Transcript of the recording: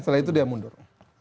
setelah itu dia mundur